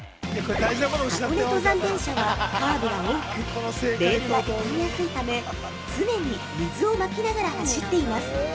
◆箱根登山電車はカーブが多くレールが傷みやすいため常に水をまきながら走っています。